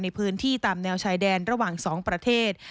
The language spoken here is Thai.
ในพื้นที่ตามแนวชายแดนระหว่าง๒ประเทศ